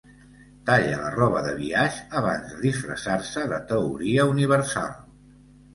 Talla la roba de biaix abans de disfressar-se de teoria universal.